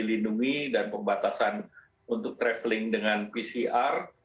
pembeli lindungi dan pembatasan untuk travelling dengan pcr